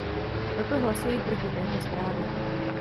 Proto hlasuji proti této zprávě.